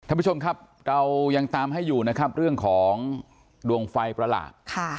ท่านผู้ชมครับเรายังตามให้อยู่นะครับเรื่องของดวงไฟประหลาด